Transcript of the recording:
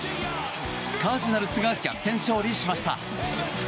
カージナルスが逆転勝利しました。